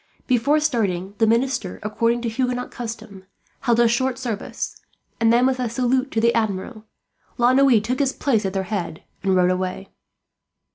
Before starting the minister, according to Huguenot custom, held a short service; and then, with a salute to the Admiral, La Noue took his place at their head and rode away.